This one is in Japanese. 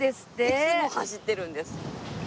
いつも走ってるんです。